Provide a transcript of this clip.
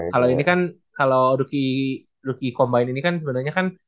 kalau ini kan kalau lucky combine ini kan sebenarnya kan